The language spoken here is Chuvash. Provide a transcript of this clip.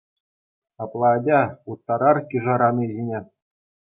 Апла атя, уттарар кишӗр ани ҫине.